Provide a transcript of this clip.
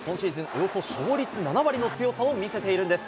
およそ勝率７割の強さを見せているんです。